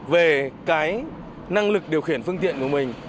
về cái năng lực điều khiển phương tiện của mình